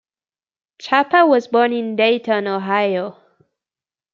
Chapa was born in Dayton, Ohio.